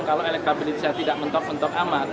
kalau elektabilitasnya tidak mentok mentok amat